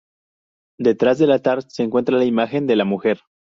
Detrás del altar se encuentra la imagen de la mujer.